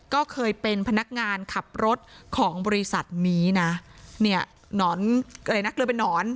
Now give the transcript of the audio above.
ก็เคยเป็นพนักงานขับรถของบริษัทนี้นะเนี่ยหนอนอะไรนะเกลือเป็นนอน